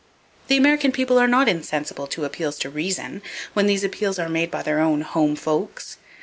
The American people are not insensible to appeals to reason, when those appeals are made by their own "home folks."